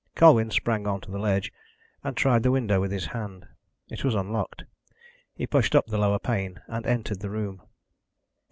Colwyn sprang on to the ledge, and tried the window with his hand. It was unlocked. He pushed up the lower pane, and entered the room.